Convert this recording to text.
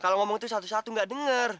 kalau ngomong itu satu satu gak denger